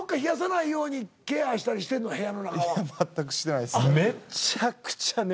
いや全くしてないですね。